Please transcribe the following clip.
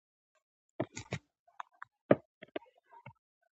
غرمه د روحي سکون لمحه ده